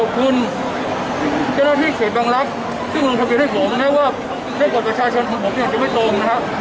ทุนเจ้าหน้าที่เขตบังลักษณ์ซึ่งลงทะเบียนให้ผมนะว่าได้กฎประชาชนของผมเนี่ยจะไม่ตรงนะครับ